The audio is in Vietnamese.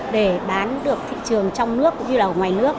để bán được thị trường trong nước cũng như là ở ngoài nước